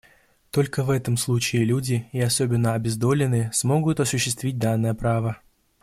Только в этом случае люди, и особенно обездоленные, смогут осуществить данное право.